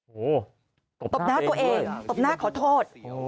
โอ้โหตบหน้าตัวเองตบหน้าขอโทษ